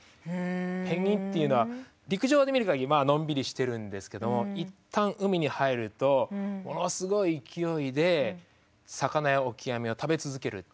ペンギンというのは陸上で見る限りのんびりしてるんですけども一旦海に入るとものすごい勢いで魚やオキアミを食べ続けるということが分かりました。